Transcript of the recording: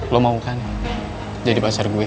lo mau kan jadi pasar gue